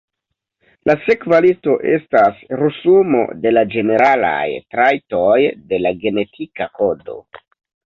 La sekva listo estas resumo de la ĝeneralaj trajtoj de la genetika kodo.